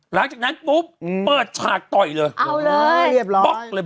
หลังจากนั้นปุ๊บเปิดฉากต่อยเลย